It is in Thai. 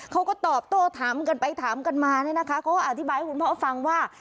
เขาก็ตอบโต้ถามกันไปถามกันมาเนี่ยนะคะเขาก็อธิบายให้คุณพ่อฟังว่า